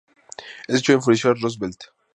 Este hecho enfureció a Roosevelt.